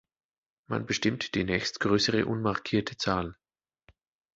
Man bestimmt die nächstgrößere unmarkierte Zahl.